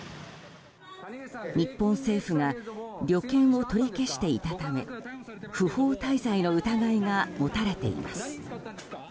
日本政府が旅券を取り消していたため不法滞在の疑いが持たれています。